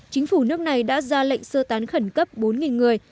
chính phủ nước này đã ra lệnh sơ tán khẩn cấp bốn người